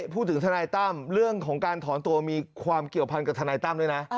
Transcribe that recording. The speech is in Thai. ทนายตั้มเรื่องของการถอนตัวมีความเกี่ยวพันกับทนายตั้มด้วยนะ